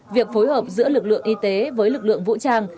việc phối hợp giữa lực lượng y tế với lực lượng vũ trang